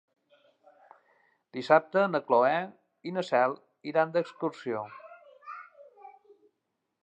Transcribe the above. Dissabte na Cloè i na Cel iran d'excursió.